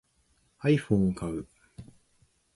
iPhone を買う